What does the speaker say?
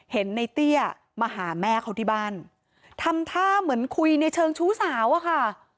เห็นในเตี้ยมาหาแม่เขาที่บ้านทำท่าเหมือนคุยในเชิงชู้สาวอะค่ะ